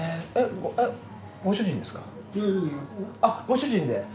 あっご主人で？